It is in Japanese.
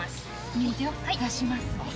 右手を出します。